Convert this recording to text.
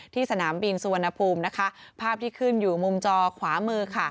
ที่สนามบินสวนภูมิภาพที่ขึ้นอยู่มุมจอขวามือ